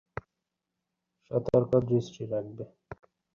যাই হোক, আমি দিনের আলোতে যাচ্ছি।